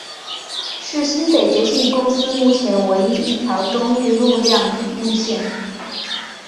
是新北捷运公司目前唯一一条中运量路线。